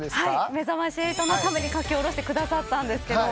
『めざまし８』のために書き下ろしてくださったんです。